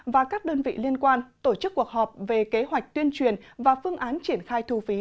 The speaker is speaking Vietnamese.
và các đơn vị liên quan tổ chức cuộc họp về kế hoạch tuyên truyền và phương án triển khai thu phí